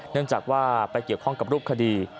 เนื่องจากว่าไปเกี่ยวข้องกับรูปคดี